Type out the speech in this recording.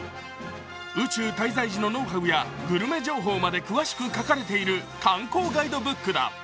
宇宙滞在時のノウハウやグルメ情報まで詳しくかかれている観光ガイドブックだ。